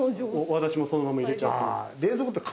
私もそのまま入れちゃってます。